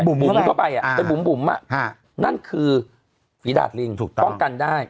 บุ๋มเข้าไปเป็นบุ๋มนั่นคือสีดาดริงป้องกันได้